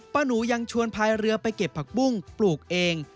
หนูยังชวนพายเรือไปเก็บผักปุ้งปลูกเอง